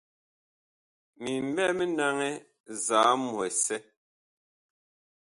Mi mɓɛ mi naŋɛ nzahmu ɛsɛ.